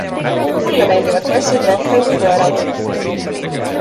Mulle meeldivad kassid rohkem kui koerad.